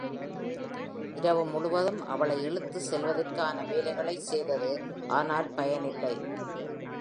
இரவு முழுவதும் அவளை இழுத்து செல்வதற்கான வேலைகளை செய்தது, ஆனால் பயனில்லை.